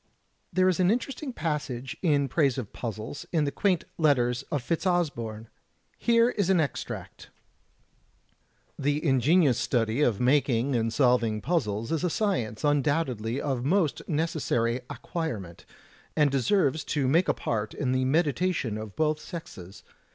There is an interesting passage in praise of puzzles, in the quaint letters of Fitzosborne. Here is an extract: "The ingenious study of making and solving puzzles is a science undoubtedly of most necessary acquirement, and deserves to make a part in the meditation of both sexes.